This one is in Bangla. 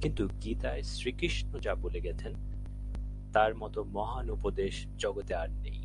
কিন্তু গীতায় শ্রীকৃষ্ণ যা বলে গেছেন, তার মত মহান উপদেশ জগতে আর নেই।